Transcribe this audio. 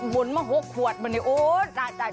มนต์มา๖ขวดมานี่โอ๊ยตายยัง